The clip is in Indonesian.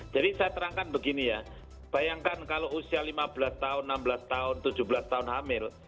jadi saya terangkan begini ya bayangkan kalau usia lima belas tahun enam belas tahun tujuh belas tahun hamil